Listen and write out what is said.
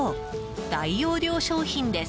大容量商品です。